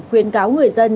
khuyên cáo người dân trong